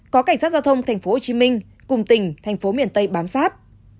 có cảnh sát giao thông tp hcm cùng tỉnh tp mt bám sát